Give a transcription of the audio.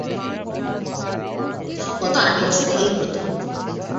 গত আট বছরে এই প্রথম।